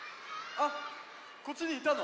あっこっちにいたの？